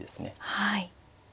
はい。